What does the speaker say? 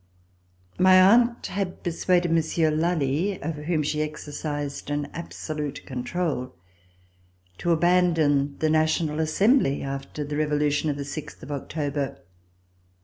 My aunt had persuaded Monsieur Lally, over whom she exercised an absolute control, to abandon the National Assembly after the Revolution of the sixth of October.